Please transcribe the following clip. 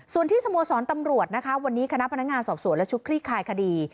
ส่วนที่สโมสรตำรวจนะคะวันนี้คณะพนักงานสอบสวนและชุดคลี่คลายคดี